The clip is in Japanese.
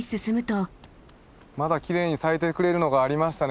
まだきれいに咲いてくれるのがありましたね。